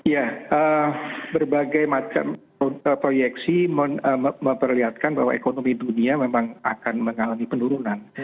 ya berbagai macam proyeksi memperlihatkan bahwa ekonomi dunia memang akan mengalami penurunan